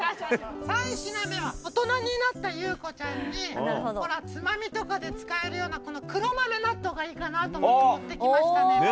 ３品目は大人になった優子ちゃんにほらつまみとかで使えるような黒豆納豆がいいかなと思って持って来ましたネバ。